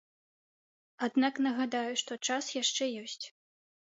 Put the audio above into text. Аднак нагадаю, што час яшчэ ёсць.